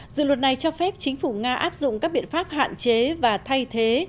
dự luật này cho phép chính phủ nga áp dụng các biện pháp hạn chế và thay thế